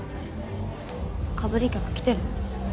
かぶり客来てるの？